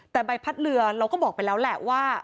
แต่ใบพัดเรือเราก็บอกไปแล้วแหละว่า